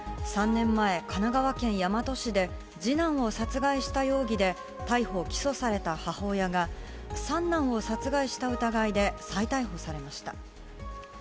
３年前、神奈川県大和市で、次男を殺害した容疑で逮捕・起訴された母親が、三男を殺害した疑いで再逮捕されました。